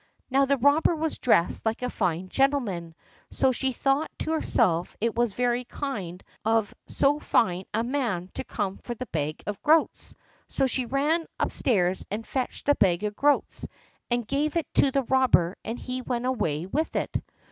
Now the robber was dressed like a fine gentleman, so she thought to herself it was very kind of so fine a man to come for the bag of groats, so she ran up stairs and fetched the bag of groats, and gave it to the robber and he went away with it.